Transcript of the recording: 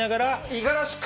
五十嵐君。